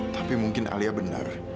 tapi bisa nggak kalian dengerin nih